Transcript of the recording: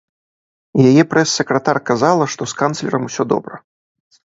Яе прэс-сакратар казала, што з канцлерам усё добра.